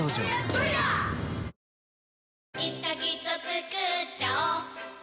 いつかきっとつくっちゃおう